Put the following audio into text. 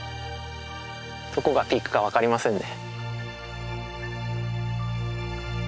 どこがピークか分かりませんね。